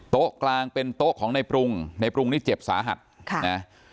กลางเป็นโต๊ะของในปรุงในปรุงนี่เจ็บสาหัสค่ะนะ